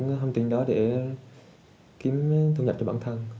cái thông tin đó để kiếm thu nhập cho bản thân